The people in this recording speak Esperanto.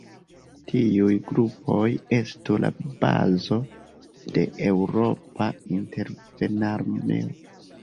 Tiuj grupoj estu la bazo de eŭropa intervenarmeo.